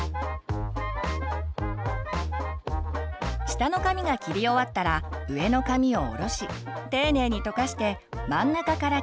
下の髪が切り終わったら上の髪を下ろし丁寧にとかして真ん中から切ります。